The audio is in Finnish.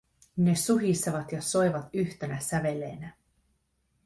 Ne suhisevat ja soivat yhtenä säveleenä.